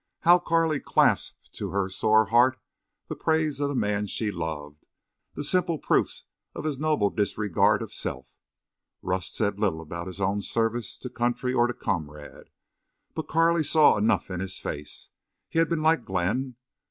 How Carley clasped to her sore heart the praise of the man she loved—the simple proofs of his noble disregard of self! Rust said little about his own service to country or to comrade. But Carley saw enough in his face. He had been like Glenn.